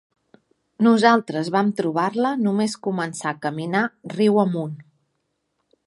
Nosaltres vam trobar-la només començar a caminar riu amunt.